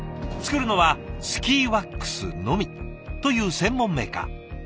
作るのはスキーワックスのみという専門メーカー。